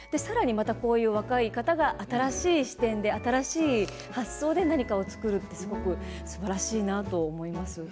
またこういう若い方が新しい視点で、新しい発想で何かを作るってすばらしいなと思います。